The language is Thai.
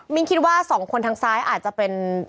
คิดว่าสองคนทางซ้ายอาจจะเป็น